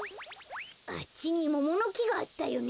あっちにモモのきがあったよね。